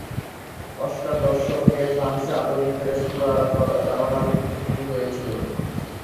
অষ্টাদশ শতকে ফ্রান্সে "আধুনিক রেস্তোরাঁ" ধারণার উৎপত্তি হয়েছিল।